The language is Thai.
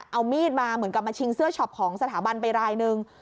เอามีดมาเหมือนกับมาชิงเสื้อช็อปของสถาบันไปรายนึง